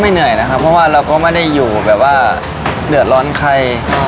ไม่เหนื่อยเปราะว่าเราก็ไม่ได้อยู่เหนือร้อนไคร